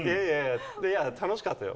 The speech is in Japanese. いやー、楽しかったよ。